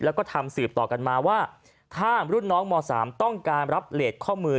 แล้วก็ทำสืบต่อกันมาว่าถ้ารุ่นน้องม๓ต้องการรับเลสข้อมือ